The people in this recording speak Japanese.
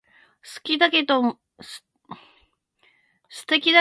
素敵だけど難しいと思う